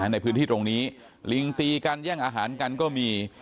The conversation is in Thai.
ในพื้นที่ตรงนี้ลิงตีกันแย่งอาหารกันก็มี